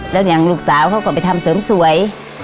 แล้วอย่างลูกสาวเขาก็ไปทำเสริมสวย